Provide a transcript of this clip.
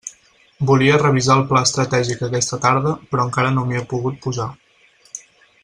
Volia revisar el pla estratègic aquesta tarda, però encara no m'hi he pogut posar.